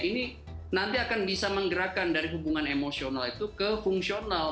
ini nanti akan bisa menggerakkan dari hubungan emosional itu ke fungsional